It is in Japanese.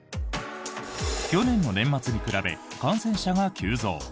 去年の年末に比べ感染者が急増。